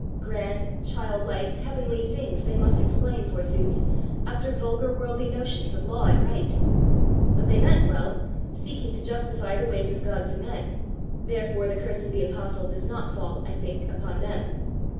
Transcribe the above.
Grand, childlike, heavenly things they must explain, forsooth, after vulgar worldly notions of law and right! But they meant well, seeking to justify the ways of God to men, therefore the curse of the apostle does not fall, I think, upon them.